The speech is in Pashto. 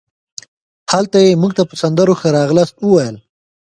هلته یې مونږ ته په سندرو ښه راغلاست وویل.